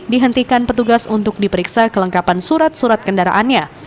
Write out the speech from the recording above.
dihentikan petugas untuk diperiksa kelengkapan surat surat kendaraannya